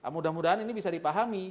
mudah mudahan ini bisa dipahami